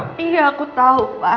tindakan yang kamu lakukan ini kriminal